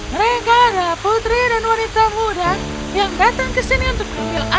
mereka adalah putri dan wanita muda yang datang ke sini untuk menginil air penyelamat